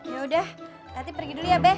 yaudah tati pergi dulu ya be